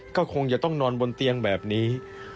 ก็คงจะต้องนอนบนเตียงแบบนี้